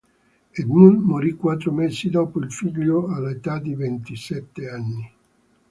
Edmund morì quattro mesi dopo il figlio all'età di ventisette anni.